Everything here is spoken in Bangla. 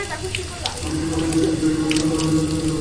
প্রতিটি ঘণ্টা শেষ হলেই ঘরের মধ্যেকার বাদ্যযন্ত্রীরা হঠাৎ থেমে যায়।